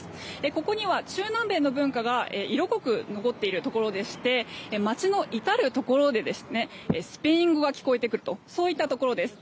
ここには中南米の文化が色濃く残っているところでして街の至るところでスペイン語が聞こえてくるというそういったところです。